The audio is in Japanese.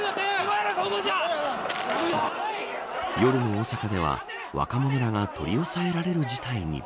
夜の大阪では若者らが取り押さえられる事態に。